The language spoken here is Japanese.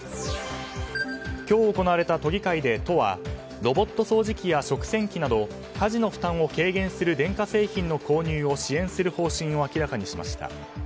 今日行われた都議会で、都はロボット掃除機や食洗機など家事の負担を軽減する電化製品の購入を支援する方針を明らかにしました。